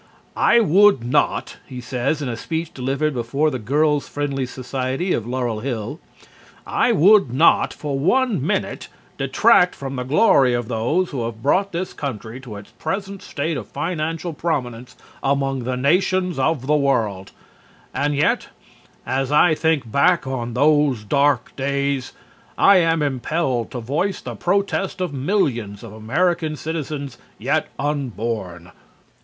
"I would not," he says in a speech delivered before the Girls' Friendly Society of Laurel Hill, "I would not for one minute detract from the glory of those who have brought this country to its present state of financial prominence among the nations of the world, and yet as I think back on those dark days, I am impelled to voice the protest of millions of American citizens yet unborn."